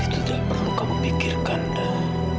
itu tidak perlu kamu pikirkan dah